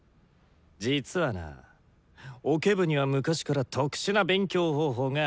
実はなオケ部には昔から特殊な勉強方法があるんだ。